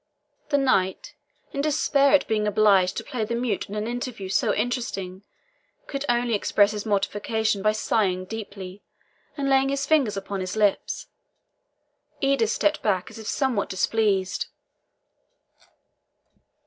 The knight, in despair at being obliged to play the mute in an interview so interesting, could only express his mortification by sighing deeply, and laying his finger upon his lips. Edith stepped back, as if somewhat displeased.